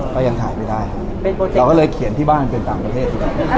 ก็ยังถ่ายไม่ได้เราก็เลยเขียนที่บ้านเป็นต่างประเทศ